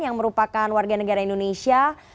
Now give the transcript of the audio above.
yang merupakan warga negara indonesia